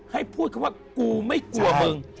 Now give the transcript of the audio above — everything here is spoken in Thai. ให้พูดคำว่ากูไม่กลัวมึง